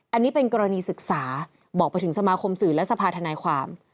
อันนี้เป็นกรณีศึกษาบอกไปถึงสมาคมสื่อและสภาธนายความ